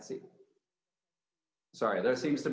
saya tidak bisa melihat